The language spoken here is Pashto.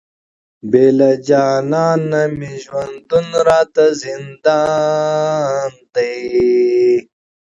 بې له جانانه مي ژوندون راته زندان دی،